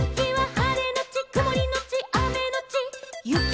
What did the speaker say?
「はれのちくもりのちあめのちゆき」